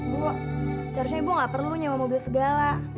bu seharusnya ibu nggak perlu nyewa mobil segala